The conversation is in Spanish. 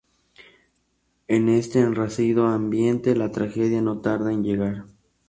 En este enrarecido ambiente, la tragedia no tarda en llegar.